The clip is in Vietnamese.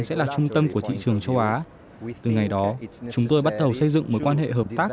sẽ là trung tâm của thị trường châu á từ ngày đó chúng tôi bắt đầu xây dựng mối quan hệ hợp tác